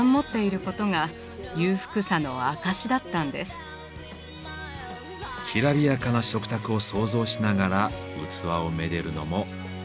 きらびやかな食卓を想像しながら器をめでるのもいいかもしれませんね。